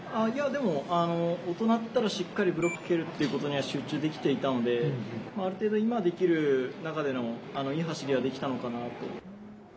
音鳴ったらしっかりブロックを蹴るということは集中できていたのである程度、今できる中でのいい走りはできたのかなと。